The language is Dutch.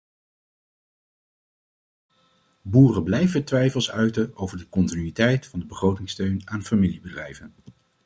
Boeren blijven twijfels uiten over de continuïteit van de begrotingssteun aan familiebedrijven.